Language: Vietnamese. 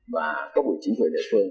và các ủy chính phủ địa phương